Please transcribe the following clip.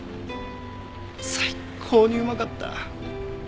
最高にうまかった。